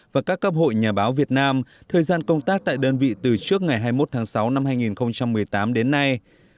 và các cấp hội nhà báo việt nam thời gian công tác tại đơn vị từ trước ngày hai mươi một tháng sáu năm hai nghìn một mươi tám đến nay